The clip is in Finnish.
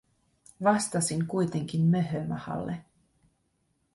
Vastasin kuitenkin möhömahalle: